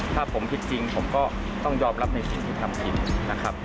ถ้าผมผิดจริงผมก็ต้องยอมรับในความยุติธรรมจริงนะครับ